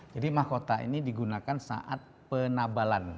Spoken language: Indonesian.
jadi mahkota ini digunakan saat penabalan